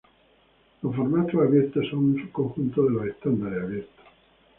Los formatos abiertos son un subconjunto de los estándares abiertos.